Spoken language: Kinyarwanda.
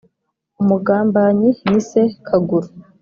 umugambanyi ni se kaguru